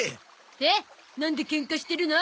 でなんでケンカしてるの？